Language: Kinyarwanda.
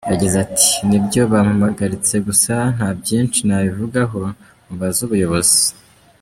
Yagize ati “Nibyo bampagaritse gusa nta byinshi nabivugaho mubaze ubuyobozi.